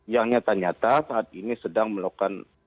yang nyata nyata saat ini sedang melakukan